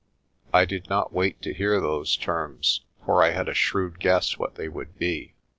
I did not wait to hear those terms, for I had a shrewd guess what they would be.